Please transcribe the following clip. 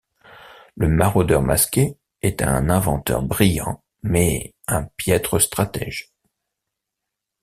Le Maraudeur Masqué est un inventeur brillant mais un piètre stratège.